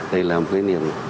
đây là một cái niềm